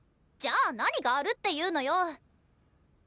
じゃあ何があるっていうのよ！